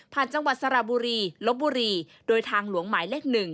จังหวัดสระบุรีลบบุรีโดยทางหลวงหมายเลข๑